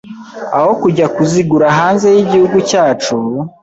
aho kujya kuzigura hanze y’igihugu cyacu